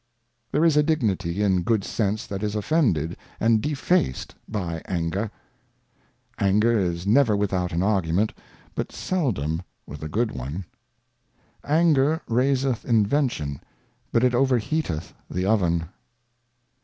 There is a Dignity in Good sense that is offended and defaced by Anger. Anger is never without an Argument, but seldom with a good one. Anger raiseth Invention but it overheateth the Oven.